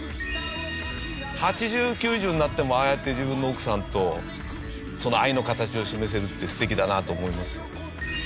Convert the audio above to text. ８０９０になってもああやって自分の奥さんと愛のカタチを示せるって素敵だなと思いますよね。